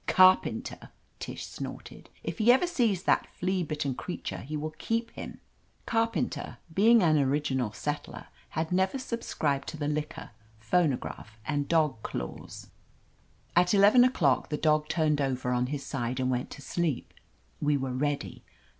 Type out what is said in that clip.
"Carpenter!" Tish snorted. "If he ever sees that flea bitten creature he will keep him." (Carpenter, being an original settler, had never subscribed to the liquor, phonograph and dog clause. ) At eleven o'clock the Dog turned over on his side and went to sleep. We were ready.